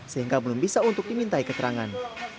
sehingga belum bisa untuk dimintai keterangan